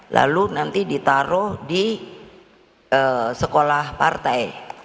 lalu nanti ditaruh di sekolah partai